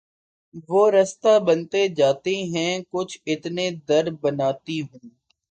وہ رستہ بنتے جاتے ہیں کچھ اتنے در بناتی ہوں